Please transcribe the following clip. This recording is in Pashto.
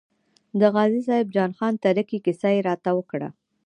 د غازي صاحب جان خان تره کې کیسه یې راته وکړه.